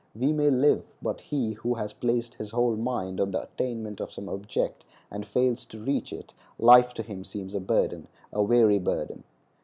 We may live, but he who has placed his whole mind on the attainment of some object and fails to reach it, life to him seems a burden—a weary burden.